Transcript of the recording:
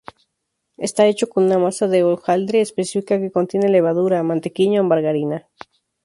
Está hecho con una masa de hojaldre específica que contiene levadura, mantequilla o margarina.